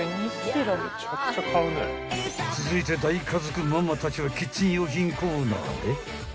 ［続いて大家族ママたちはキッチン用品コーナーへ］